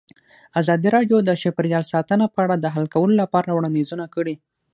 ازادي راډیو د چاپیریال ساتنه په اړه د حل کولو لپاره وړاندیزونه کړي.